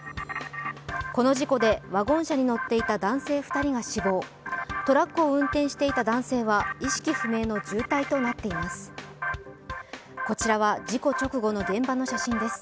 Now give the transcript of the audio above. この事故で、ワゴン車に乗っていた男性２人が死亡、トラックを運転していた男性は意識不明の重体となっています。